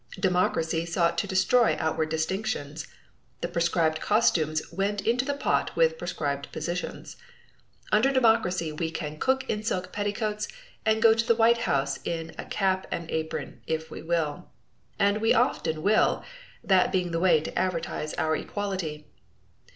Democracy sought to destroy outward distinctions. The proscribed costumes went into the pot with proscribed positions. Under democracy we can cook in silk petticoats and go to the White House in a cap and apron, if we will. And we often will, that being a way to advertise our equality!